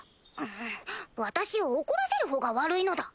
む私を怒らせるほうが悪いのだ。